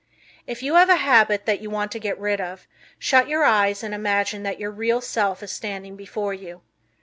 If you have a habit that you want to get rid of, shut your eyes and imagine that your real self is standing before you.